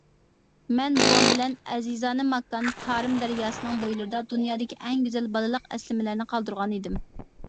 مەن بوۋام بىلەن ئەزىزانە ماكان تارىم دەرياسىنىڭ بويلىرىدا دۇنيادىكى ئەڭ گۈزەل بالىلىق ئەسلىمىلەرنى قالدۇرغان ئىدىم.